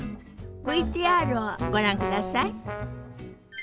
ＶＴＲをご覧ください。